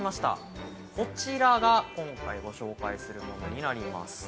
こちらが今回ご紹介するものになります。